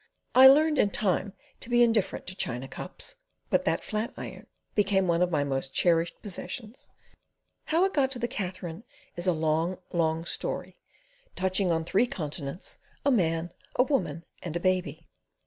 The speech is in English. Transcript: I learned, in time, to be indifferent to china cups, but that flat iron became one of my most cherished possessions—how it got to the Katherine is a long, long story, touching on three continents, a man, a woman, and a baby.